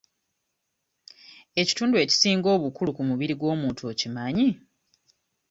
Ekitundu ekisinga obukulu ku mubiri gw'omuntu okimanyi?